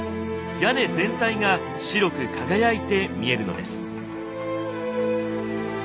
屋根全体が白く輝いて見えるのです。